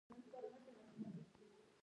آیا د اوسپنې پټلۍ به وصل شي؟